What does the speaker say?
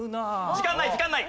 時間ない時間ない！